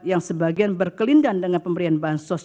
yang sebagian berkelindahan dengan pemberian bahan sosial